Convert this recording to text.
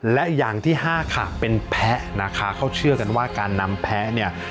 และอย่างที่ห้าค่ะเป็นแพ้นะคะเขาเชื่อกันว่าการนำแพ้เนี่ย